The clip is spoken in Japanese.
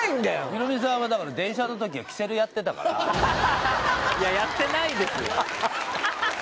ヒロミさんはだから電車の時はキセルやってたから・いややってないです